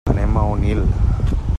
Anem a Onil.